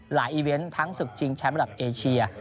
อีเวนต์ทั้งศึกชิงแชมป์ระดับเอเชีย